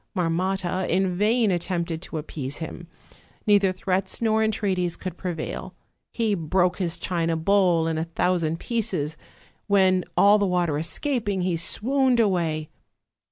Marmotta in vain attempted to appease him; neither threats nor entreaties could prevail; he broke his china bowl in a thousand pieces, when, all the water escaping, he swooned away.